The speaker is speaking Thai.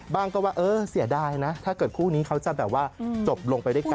บางก็ว่าเสียดายนะถ้าเกิดคู่นี้เขาจะจบลงไปด้วยกัน